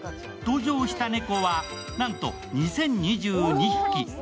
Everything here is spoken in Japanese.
登場した猫は、なんと２０２２匹。